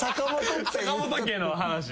坂本家の話はい。